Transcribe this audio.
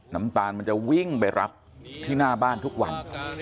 น้ำตาลมันจะวิ่งไปรับที่หน้าบ้านทุกวัน